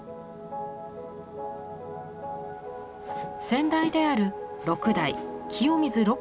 先代である６代清水六